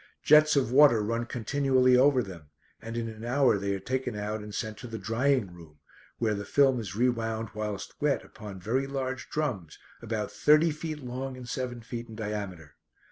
Jets of water run continually over them, and in an hour they are taken out and sent to the drying room, where the film is rewound whilst wet upon very large drums, about thirty feet long and seven feet in diameter.